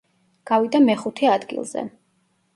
გავიდა მეხუთე ადგილზე.